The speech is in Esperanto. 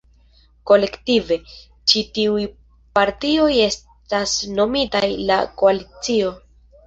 Kolektive, ĉi tiuj partioj estas nomitaj la Koalicio.